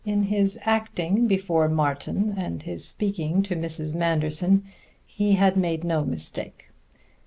In his acting before Martin and his speaking to Mrs. Manderson he had made no mistake.